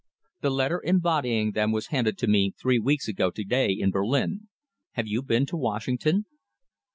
The letter embodying them was handed to me three weeks ago to day in Berlin. Have you been to Washington?"